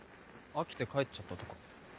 飽きて帰っちゃったとか？